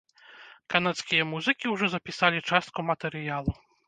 Канадскія музыкі ўжо запісалі частку матэрыялу.